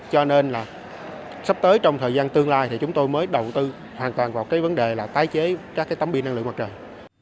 cho nên là sắp tới trong thời gian tương lai thì chúng tôi mới đầu tư hoàn toàn vào cái vấn đề là tái chế các cái tấm pin năng lượng mặt trời